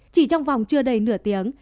chỉ trong vòng trưa đầy nửa tiếng